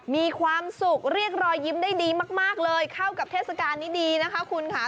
มีความสุขเรียกรอยยิ้มได้ดีมากเลยเข้ากับเทศกาลนี้ดีนะคะคุณค่ะ